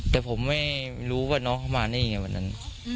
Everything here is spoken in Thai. แต่ผมไม่รู้ว่าน้องเขามาได้ยังไงวันนั้น